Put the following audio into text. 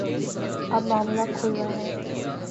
اب معاملہ کھل رہا ہے۔